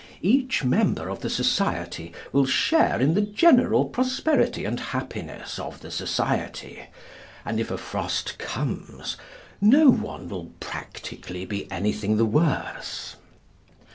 Each member of the society will share in the general prosperity and happiness of the society, and if a frost comes no one will practically be anything the worse.